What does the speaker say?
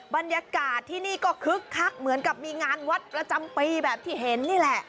บรรยากาศที่นี่ก็คึกคักเหมือนกับมีงานวัดประจำปีแบบที่เห็นนี่แหละ